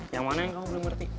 yang mana yang kamu belum ngerti